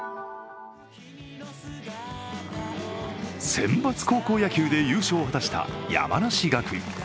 選抜高校野球で優勝を果たした山梨学院。